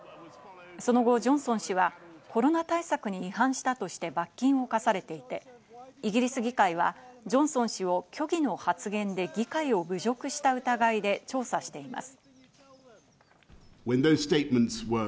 その後、ジョンソン氏はコロナ対策に違反したとして罰金を科されていて、イギリス議会はジョンソン氏を虚偽の発言で議会を侮辱した疑いで調査しています。